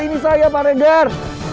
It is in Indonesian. ini saya pak regar